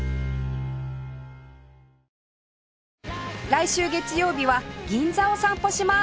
来週月曜日は銀座を散歩します